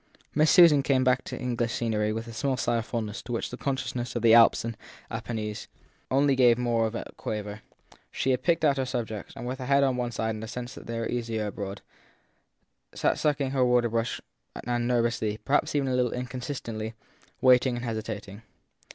Miss Susan came back to English scenery with a small sigh of fond ness to which the consciousness of Alps and Apennines only gave more of a quaver; she had picked out her subjects and, with her head on one side and a sense that they were easier abroad, sat sucking her water colour brush and nervously perhaps even a little inconsistently waiting and hesitating.